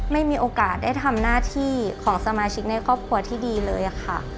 ไม่มีโอกาสได้ทำหน้าที่ของสมาชิกในครอบครัวที่ดีเลยค่ะ